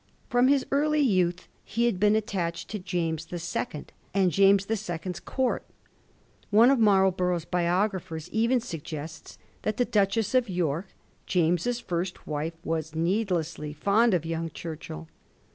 From his early youth he had been attached to James the Second and James the Second's court. One of Marlborough's biographers even suggests that the Duchess of York, James's first wife, was needlessly fond of young Churchill.